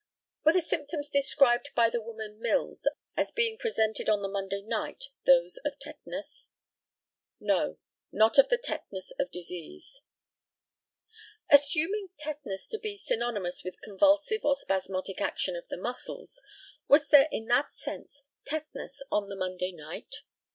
Were the symptoms described by the woman Mills as being presented on the Monday night those of tetanus? No; not of the tetanus of disease. Assuming tetanus to be synonymous with convulsive or spasmodic action of the muscles, was there in that sense tetanus on the Monday night?